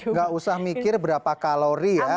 nggak usah mikir berapa kalori ya